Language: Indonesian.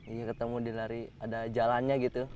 iya ketemu dilari ada jalannya gitu